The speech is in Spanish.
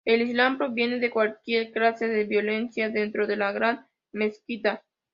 El islam prohíbe cualquier clase de violencia dentro de la Gran Mezquita.